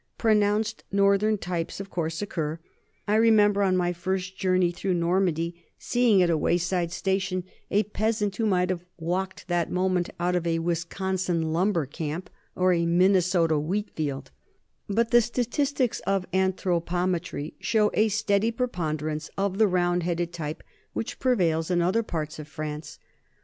Pronounced northern types, of course, occur, I remember, on my first jour ney through Normandy, seeing at a wayside station a 50 NORMANS IN EUROPEAN HISTORY peasant who might have walked that moment out of a Wisconsin lumber camp or a Minnesota wheat field, but the statistics of anthropometry show a steady pre ponderance of the round headed type which prevails in other parts of France.